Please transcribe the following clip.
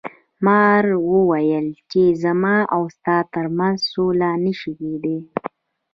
مار وویل چې زما او ستا تر منځ سوله نشي کیدی.